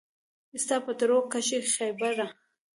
ستا په تړو کښې خېبره